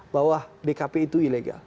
bahwa dkp itu ilegal